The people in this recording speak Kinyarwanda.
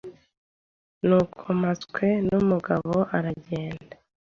Nuko Mpatswe numugabo aragenda